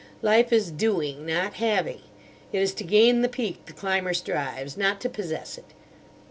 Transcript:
Life is doing, not having. It is to gain the peak the climber strives, not to possess it.